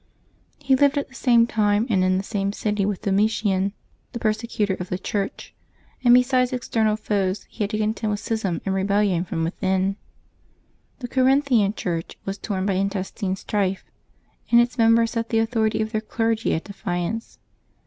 He lived at the same time and in the same city with Domitian, the persecutor of the Church; and besides external foes he had to contend with schism and rebellion from within. The Corinthian Church was torn by intestine strife, and its members set the authority of their clergy at defiance.